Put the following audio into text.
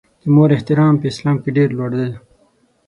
د مور احترام په اسلام کې ډېر لوړ دی.